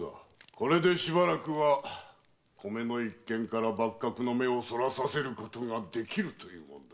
これでしばらくは米の一件から幕閣の目をそらさせることができるというもの。